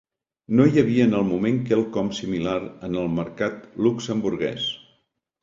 No hi havia en el moment quelcom similar en el mercat luxemburguès.